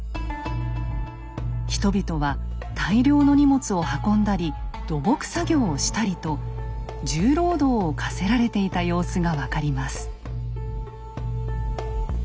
人々は大量の荷物を運んだり土木作業をしたりと重労働を課せられていた様子が分かります。